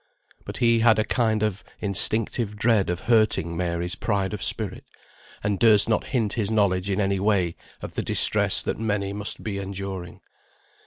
But he had a kind of instinctive dread of hurting Mary's pride of spirit, and durst not hint his knowledge in any way of the distress that many must be enduring.